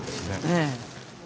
ええ。